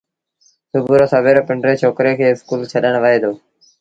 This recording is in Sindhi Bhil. سُڀو رو سويرو پنڊري ڇوڪري کي اسڪول ڇڏڻ وهي دو۔